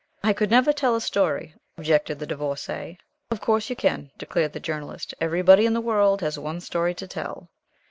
"I could never tell a story," objected the Divorcée. "Of course you can," declared the Journalist. "Everybody in the world has one story to tell."